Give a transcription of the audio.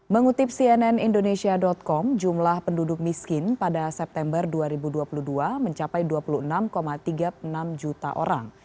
mengutip cnn indonesia com jumlah penduduk miskin pada september dua ribu dua puluh dua mencapai dua puluh enam tiga puluh enam juta orang